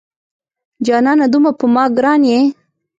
جانانه دومره په ما ګران یې